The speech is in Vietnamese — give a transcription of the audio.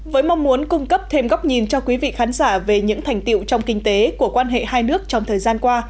với mong muốn cung cấp thêm góc nhìn cho quý vị khán giả về những thành tiệu trong kinh tế của quan hệ hai nước trong thời gian qua